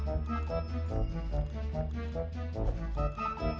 akhirnya bisa juga aku diketiin mas surat